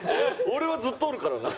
俺はずっとおるからな。